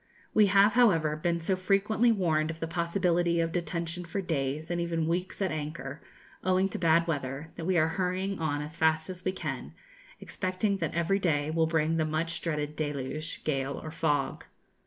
We have, however, been so frequently warned of the possibility of detention for days and even weeks at anchor, owing to bad weather, that we are hurrying on as fast as we can, expecting that every day will bring the much dreaded deluge, gale, or fog.